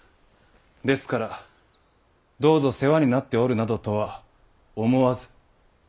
ですからどうぞ世話になっておるなどとは思わず。